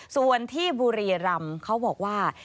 ส่วนที่บุรีรำเขาบอกว่า